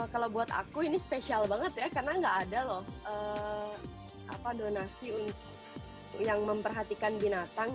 kalau buat aku ini spesial banget ya karena nggak ada loh donasi yang memperhatikan binatang